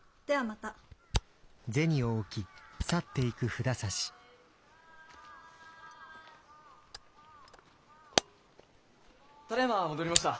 ただいま戻りました。